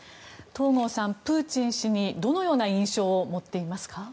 東郷さん、プーチン氏にどのような印象を持っていますか？